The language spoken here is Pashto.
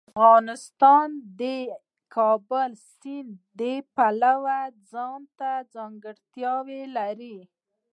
افغانستان د د کابل سیند د پلوه ځانته ځانګړتیا لري.